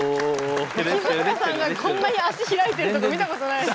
清塚さんがこんなに足開いてるとこ見たことないです。